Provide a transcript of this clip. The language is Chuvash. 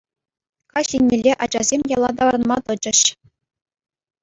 Каҫ еннелле ачасем яла таврӑнма тӑчӗҫ.